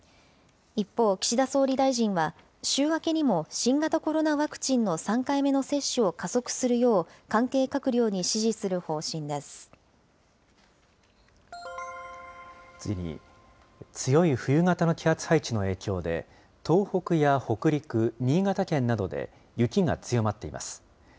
一方、岸田総理大臣は、週明けにも新型コロナワクチンの３回目の接種を加速するよう、関次に、強い冬型の気圧配置の影響で、東北や北陸、新潟県などで、雪が強まっています。